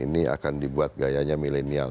ini akan dibuat gayanya milenial